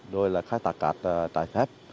rồi là khai tạc cạt tài phép